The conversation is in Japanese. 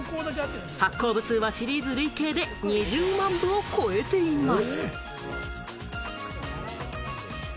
発行部数はシリーズ累計で２０万部を超えています。